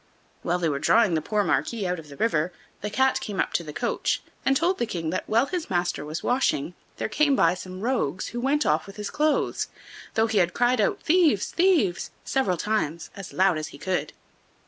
While they were drawing the poor Marquis out of the river, the Cat came up to the coach and told the King that, while his master was washing, there came by some rogues, who went off with his clothes, though he had cried out: "Thieves! thieves!" several times, as loud as he could.